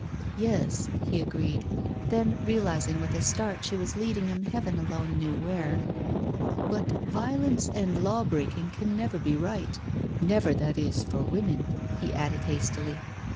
•..'•" Yes," he agreed, then realising with a start she was leading him Heaven alone knew where —" but violence and law breaking can never be right— never, that is, for women," he added hastily.